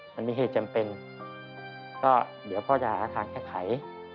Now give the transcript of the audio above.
มันมีเหตุจำเป็นก็เดี๋ยวพ่อจะหาทางแก้ไข